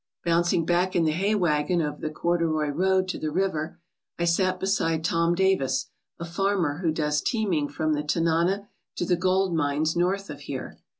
Bouncing back in the hay wagon over the corduroy road to the river, I sat beside Tom Davis, a fanner who does teaming from the Tanana to the gold mines north of here.